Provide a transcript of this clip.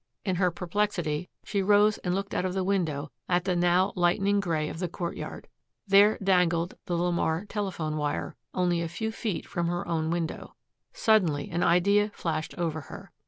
In her perplexity, she rose and looked out of the window at the now lightening gray of the courtyard. There dangled the LeMar telephone wire, only a few feet from her own window. Suddenly an idea flashed over her.